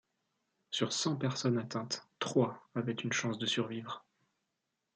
Sur cent personnes atteintes, trois avaient une chance de survivre.